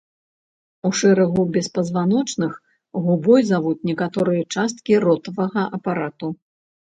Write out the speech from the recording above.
У шэрагу беспазваночных губой завуць некаторыя часткі ротавага апарату.